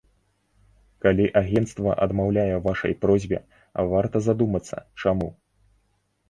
Калі агенцтва адмаўляе ў вашай просьбе, варта задумацца, чаму.